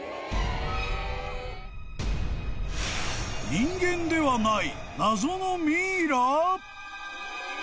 ［人間ではない］